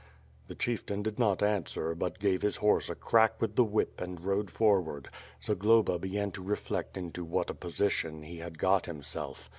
The chief tan did not answer, but gave his horse a crack with the whip and rode forward. Zagloba began to reflect into what a position he had got himself.